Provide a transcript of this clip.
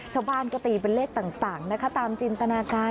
ชาวบ้านก็ตีเป็นเลขต่างนะคะตามจินตนาการ